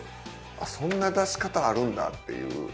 あっそんな出し方あるんだっていう。